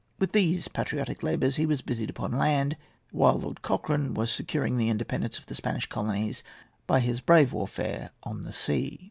With these patriotic labours he was busied upon land, while Lord Cochrane was securing the independence of the Spanish colonies by his brave warfare on the sea.